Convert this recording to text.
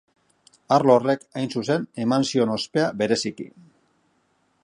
Arlo horrek, hain zuzen, eman zion ospea bereziki.